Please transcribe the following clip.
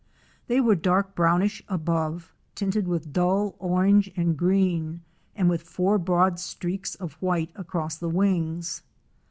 They were dark brownish above, tinted with dull orange and green and with four broad streaks of white across the wings.